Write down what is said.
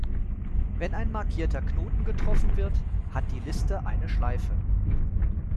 Wenn ein markierter Knoten getroffen wird, hat die Liste eine Schleife.